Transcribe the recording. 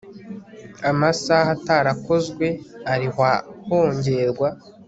Amasaha atarakozwe arihwa hongerwa